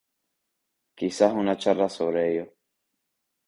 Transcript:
Quizás una charla sobre ello.